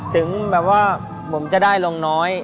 ถึงแบบว่าผมจะได้ลงน้อย